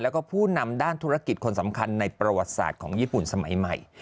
แล้วก็ผู้นำด้านธุรกิจคนสำคัญในประวัติศาสตร์ของญี่ปุ่นสมัยใหม่